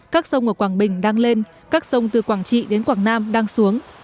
các sông ở quảng bình đang lên các sông từ quảng trị đến quảng nam đang xuống